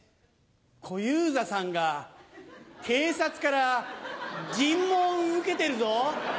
小遊三さんが警察から尋問を受けてるぞ。